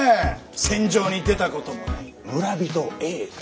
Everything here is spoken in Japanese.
戦場に出たこともない村人Ａが。